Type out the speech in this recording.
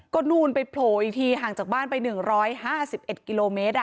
ก็นู่นไปโผล่อีกทีห่างจากบ้านไป๑๕๑กิโลเมตร